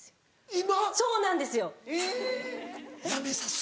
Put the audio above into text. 今。